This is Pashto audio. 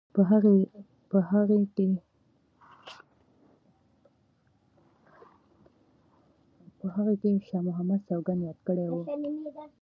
په هغه کې شاه محمد سوګند یاد کړی وو.